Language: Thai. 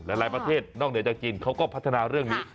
หลายประเทศนอกเหนือจากจีนเขาก็พัฒนาเรื่องนี้